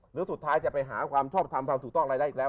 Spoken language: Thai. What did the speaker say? หรือสุดท้ายจะไปหาความชอบทำความถูกต้องอะไรได้อีกแล้ว